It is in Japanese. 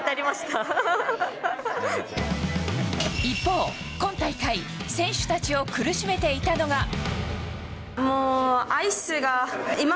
一方、今大会選手たちを苦しめていたのが。